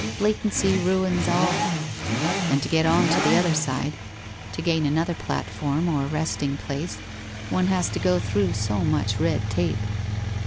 Blatancy ruins all. And to get on to the other side — to gain another platform or resting place, one has to go through so much red tape.